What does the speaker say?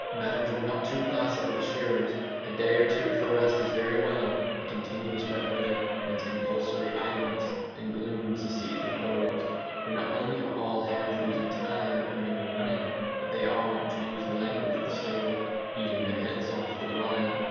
Matters were not too placid with the shearers. A day or two for rest is very well, but continuous wet weather means compulsory idleness, and gloom succeeds repose; for not only are all hands losing time and earning no money, but they are, to use the language of the stable "eating their heads off" the while.